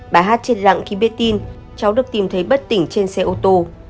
bà hát trên lặng khi biết tin cháu được tìm thấy bất tỉnh trên xe ô tô